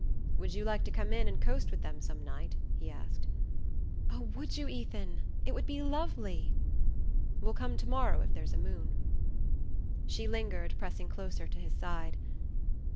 "Would you like to come in and coast with them some night?" he asked. "Oh, would you, Ethan? It would be lovely!" "We'll come to morrow if there's a moon." She lingered, pressing closer to his side.